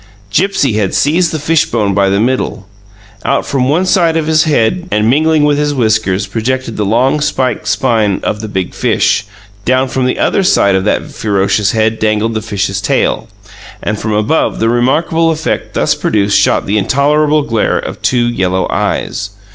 Gipsy had seized the fishbone by the middle. Out from one side of his head, and mingling with his whiskers, projected the long, spiked spine of the big fish; down from the other side of that ferocious head dangled the fish's tail, and from above the remarkable effect thus produced shot the intolerable glare of two yellow eyes.